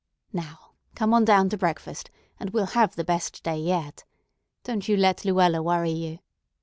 Now come on down to breakfast, and we'll have the best day yet. Don't you let Luella worry you.